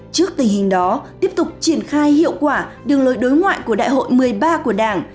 trước tình hình đó tiếp tục triển khai hiệu quả đường lối đối ngoại của đại hội một mươi ba của đảng